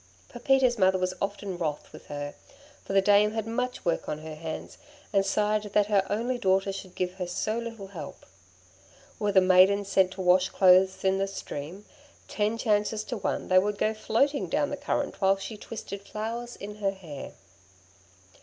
Pepita's mother was often wroth with her, for the dame had much work on her hands, and sighed that her only daughter should give her so little help. Were the maiden sent to wash clothes in the stream, ten chances to one they would go floating down the current while she twisted flowers in her hair.